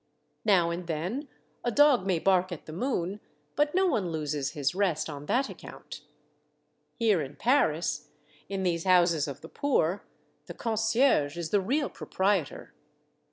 Now and then a dog may bark at the moon, but no one loses his rest on that account. Here in Paris, in these houses of the poor, the concierge is the real proprietor.